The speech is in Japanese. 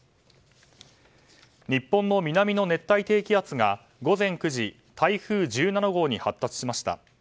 日本の南の熱帯低気圧が午前９時、台風１７号に発達しました。